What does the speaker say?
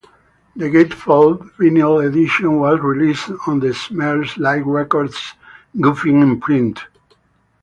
The gatefold vinyl edition was released on the Smells Like Records Goofin imprint.